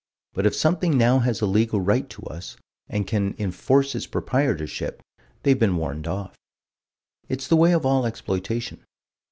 But if something now has a legal right to us, and can enforce its proprietorship, they've been warned off. It's the way of all exploitation.